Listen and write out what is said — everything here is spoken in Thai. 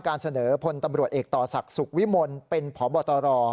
การเสนอพลตำรวจเอกต่อศักดิ์สุขวิมลเป็นพบตร